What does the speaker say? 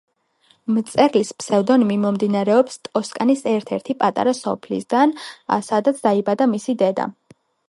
მწერლის ფსევდონიმი მომდინარეობს ტოსკანას ერთ-ერთი პატარა სოფლისგან, სადაც დაიბადა მისი დედა.